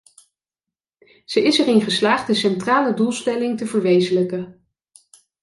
Ze is erin geslaagd de centrale doelstelling te verwezenlijken.